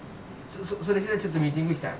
それ次第ちょっとミーティングしたい。